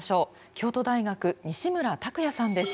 京都大学西村卓也さんです。